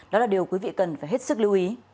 đó là điều quý vị cần phải hết sức lưu ý